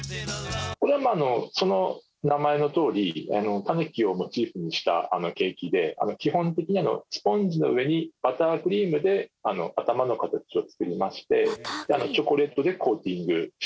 これはまあその名前のとおりたぬきをモチーフにしたケーキで基本的にスポンジの上にバタークリームで頭の形を作りましてチョコレートでコーティングしたものです。